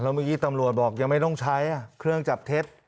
เมื่อกี้ตำรวจบอกยังไม่ต้องใช้เครื่องจับเท็จ